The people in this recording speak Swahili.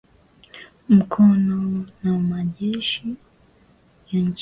ma cha kisiasa kinachougwa mkono na majeshi ya nchini myanmir